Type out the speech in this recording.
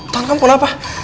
tangan kamu kenapa